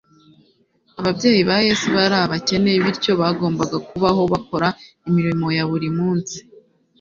Ababyeyi ba Yesu bari abakene, bityo bagombaga kubaho bakora imirimo ya buri munsi.